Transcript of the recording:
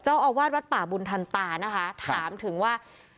เจ้าอาวาสวัดป่าบุญทันตานะคะถามถึงว่า